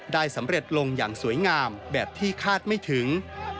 สำเร็จลงอย่างสวยงามแบบที่คาดไม่ถึง